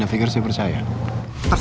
ini bunga yang saya beli